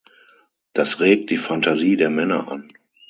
Das regt die Fantasie der Männer an.